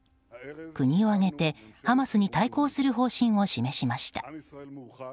国を挙げて、ハマスに対抗する方針を示しました。